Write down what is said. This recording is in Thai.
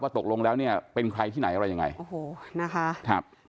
ว่าตกลงแล้วเป็นใครที่ไหนอะไรยังไงโอ้โหนะคะ